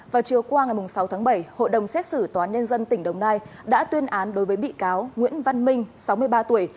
vào chiều qua ngày sáu tháng bảy hội đồng xét xử tòa nhân dân tỉnh đồng nai đã tuyên án đối với bị cáo nguyễn văn minh sáu mươi ba tuổi